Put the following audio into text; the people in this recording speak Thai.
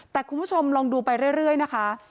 แต่คุณผู้ชมลองดูไปเรื่อยนะคะ